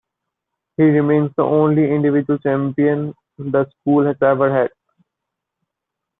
He remains the only individual champion the school has ever had.